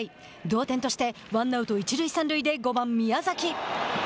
同点としてワンアウト、一塁三塁で５番宮崎。